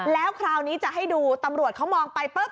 แล้วคราวนี้จะให้ดูตำรวจเขามองไปปุ๊บ